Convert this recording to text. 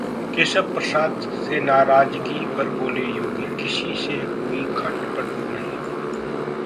केशव प्रसाद से नाराजगी पर बोले योगी- किसी से कोई खटपट नहीं